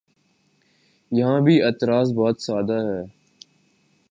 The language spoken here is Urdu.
یہاں بھی اعتراض بہت سادہ ہے۔